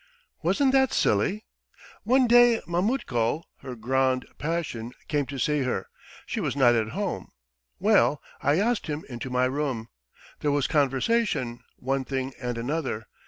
Wasn't that silly? One day Mametkul, her grande passion, came to see her ... she was not at home. ... Well, I asked him into my room ... there was conversation, one thing and another